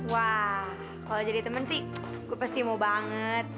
wah kalau jadi temen sih gue pasti mau banget